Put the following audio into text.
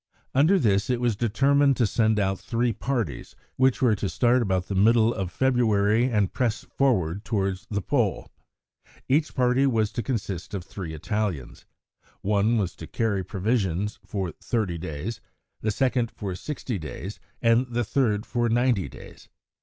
Under this, it was determined to send out three parties, which were to start about the middle of February and press forward towards the Pole. Each party was to consist of three Italians. One was to carry provisions for thirty days, the second for sixty days, and the third for ninety days.